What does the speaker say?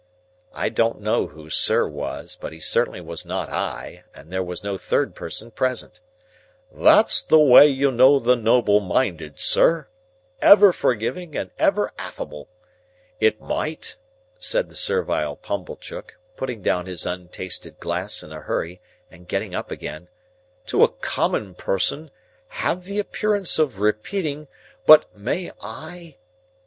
(I don't know who Sir was, but he certainly was not I, and there was no third person present); "that's the way you know the noble minded, sir! Ever forgiving and ever affable. It might," said the servile Pumblechook, putting down his untasted glass in a hurry and getting up again, "to a common person, have the appearance of repeating—but may I—?"